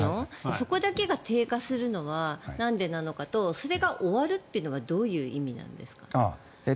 そこだけが低下するのはなんでなのかとそれが終わるってのはどういう意味なんですかね？